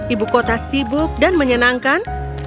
ibu kota sibuk dan menyenangkan